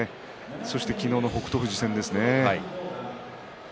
そして昨日の北勝富士戦ですね。